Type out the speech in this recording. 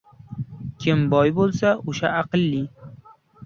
• Kim boy bo‘lsa, o‘sha aqlli.